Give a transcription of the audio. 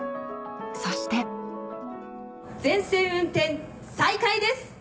そして・全線運転再開です！